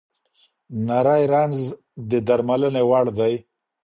نري رنځ د درملنې وړ دی.